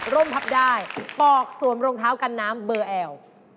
่มทับได้ปอกสวมรองเท้ากันน้ำเบอร์แอล